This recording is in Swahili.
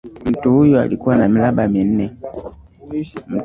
Mtu huyo alikuwa wa miraba minane.